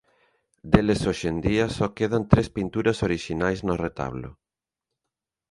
Deles hoxe en día só quedan tres pinturas orixinais no retablo.